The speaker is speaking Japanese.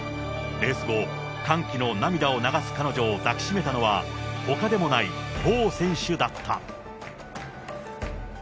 レース後、歓喜の涙を流す彼女を抱きしめたのは、ほかでもない、ボウ選手だった。